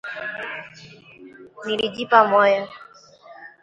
Nilijipa moyo